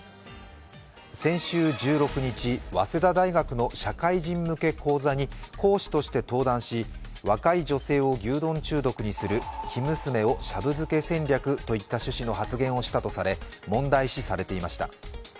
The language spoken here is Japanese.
先週１６日、早稲田大学の社会人向け講座に講師として登壇し、若い女性を牛丼中毒にする、「生娘をシャブ漬け戦略」といった趣旨の発言をしたとされ問題視されていました。